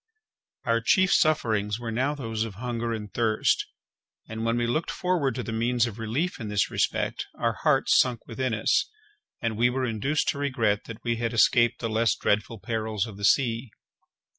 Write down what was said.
Our chief sufferings were now those of hunger and thirst, and when we looked forward to the means of relief in this respect, our hearts sunk within us, and we were induced to regret that we had escaped the less dreadful perils of the sea.